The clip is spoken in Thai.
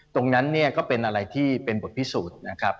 ตรงนั้นเนี่ยก็เป็นอะไรที่เป็นบทพิสูจน์นะครับ